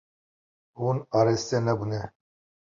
Hûn araste nebûne.